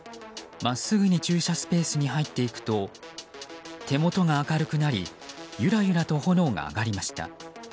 真っすぐに駐車スペースに入っていくと手元が明るくなりゆらゆらと炎が上がりました。